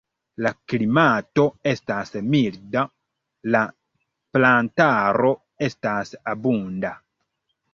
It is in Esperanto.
La klimato estas milda, la plantaro estas abunda.